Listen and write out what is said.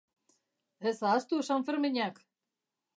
Ez ahaztu Sanferminak.